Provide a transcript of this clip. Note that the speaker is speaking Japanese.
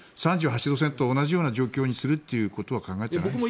３８度線と同じような状況にするということは考えていないですか。